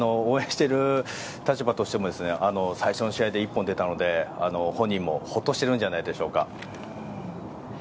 応援している立場としても最初の試合で１本出たので本人もほっとしているんじゃないでしょうか。